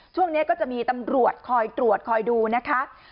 ช่วงนี้ก็จะมีตำรวจคอยตรวจคอยดูนะคะ